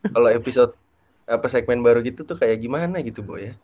kalau episode segmen baru gitu tuh kayak gimana gitu bu ya